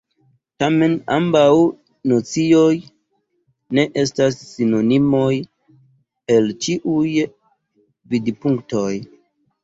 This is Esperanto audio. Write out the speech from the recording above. Tamen, ambaŭ nocioj ne estas sinonimoj el ĉiuj vidpunktoj.